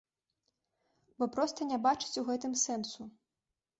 Бо проста не бачыць у гэтым сэнсу.